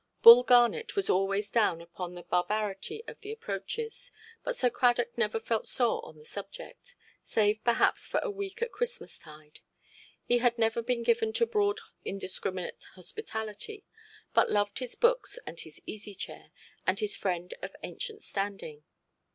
Bull Garnet was always down upon the barbarity of the approaches, but Sir Cradock never felt sore on the subject, save perhaps for a week at Christmas–tide. He had never been given to broad indiscriminate hospitality, but loved his books and his easy–chair, and his friend of ancient standing.